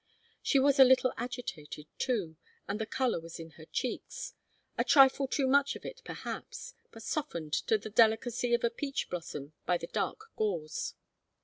She was a little agitated, too, and the colour was in her cheeks a trifle too much of it, perhaps, but softened to the delicacy of a peach blossom by the dark gauze.